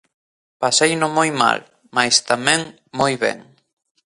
Paseino moi mal, mais tamén moi ben.